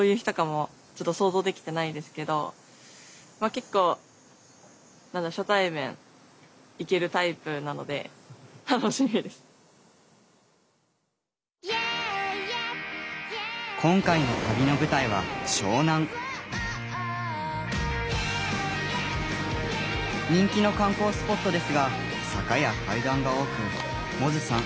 結構今回の旅の舞台は人気の観光スポットですが坂や階段が多く百舌さん